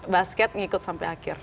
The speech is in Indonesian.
basket ngikut sampai akhir